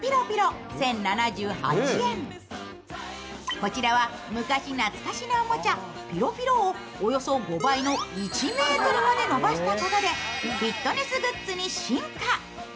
こちらは昔懐かしのおもちゃピロピロをおよそ５倍の１ｍにまで伸ばしたことでフィットネスグッズに進化。